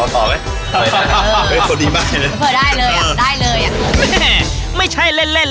ต่อไหมสดดีมากเลยได้เลยอ่ะได้เลยอ่ะไม่ใช่เล่นเล่น